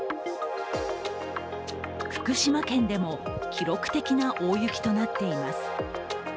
福島県でも記録的な大雪となっています。